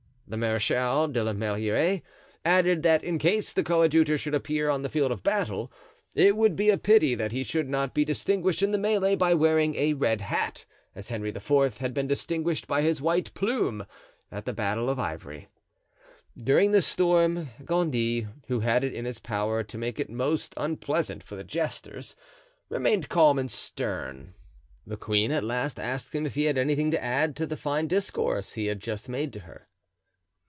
The Marechal de la Meilleraie added that in case the coadjutor should appear on the field of battle it would be a pity that he should not be distinguished in the melee by wearing a red hat, as Henry IV. had been distinguished by his white plume at the battle of Ivry. During this storm, Gondy, who had it in his power to make it most unpleasant for the jesters, remained calm and stern. The queen at last asked him if he had anything to add to the fine discourse he had just made to her.